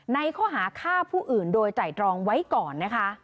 ในข้อหาฆ่าผู้อื่นโดยไตรตรองไว้ก่อนนะคะ